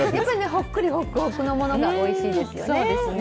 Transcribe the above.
ほっくりほくほくのものがおいしいですよね。